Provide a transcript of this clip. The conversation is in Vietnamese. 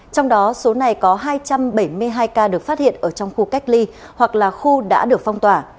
trong đó số này có hai trăm bảy mươi hai ca được phát hiện ở trong khu cách ly hoặc là khu đã được phong tỏa